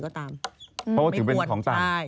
เพราะว่าถือเป็นของสัตว์